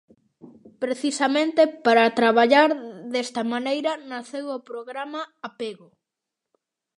Precisamente para traballar desta maneira naceu o programa Apego.